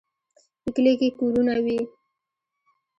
په کلي کې کورونه وي.